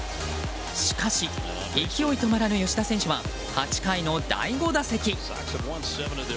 しかし、勢い止まらぬ吉田選手は８回の第５打席。